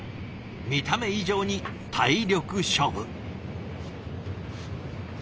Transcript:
見た目以上に体力勝負。